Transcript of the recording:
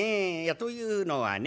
というのはね